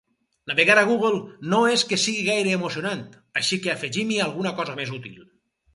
Navegar a Google no és que sigui gaire emocionant, així que afegim-hi alguna cosa més útil.